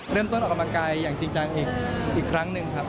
ออกกำลังกายอย่างจริงจังอีกครั้งหนึ่งครับ